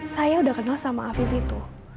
saya udah kenal sama afif itu